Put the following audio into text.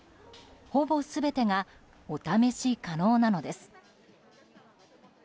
ほぼ全てがお試し可能なのです。